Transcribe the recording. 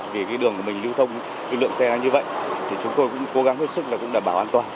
vì cái đường mình lưu thông lượng xe là như vậy thì chúng tôi cũng cố gắng hết sức đảm bảo an toàn